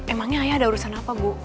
emangnya ayah ada urusan apa bu